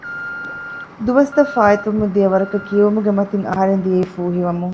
ދުވަސްތަށް ފާއިތުވަމުން ދިޔަ ވަރަކަށް ކިޔެވުމުގެ މަތިން އަހަރެން ދިޔައީ ފޫހިވަމުން